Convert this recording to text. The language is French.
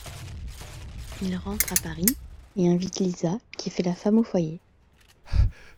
Il rentre à Paris et invite Lisa qui fait la femme au foyer.